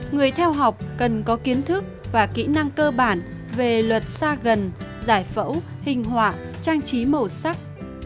người theo học cần có kiến thức và kỹ năng cơ bản về luật xa gần giải phẫu hình họa trang trí màu sắc